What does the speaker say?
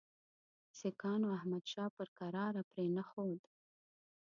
سیکهانو احمدشاه پر کراره پرې نه ښود.